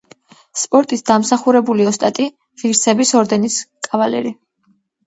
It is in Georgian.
სპორტის დამსახურებული ოსტატი, ღირსების ორდენის კავალერი.